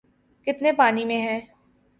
‘ کتنے پانی میں ہیں۔